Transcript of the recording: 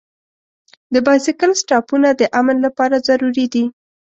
د بایسکل سټاپونه د امن لپاره ضروري دي.